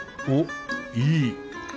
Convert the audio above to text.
おっいい！